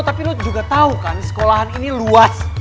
tapi lo juga tau kan sekolahan ini luas